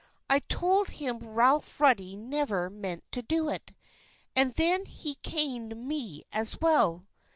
I told him Ralph Ruddy never meant to do it, and then he caned me as well.